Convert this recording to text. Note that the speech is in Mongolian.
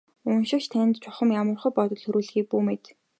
Уншигч танд чухам ямархуу бодол төрүүлэхийг бүү мэд.